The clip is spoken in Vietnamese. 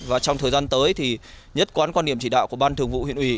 và trong thời gian tới thì nhất quán quan điểm chỉ đạo của ban thường vụ huyện ủy